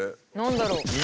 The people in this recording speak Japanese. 何だろう？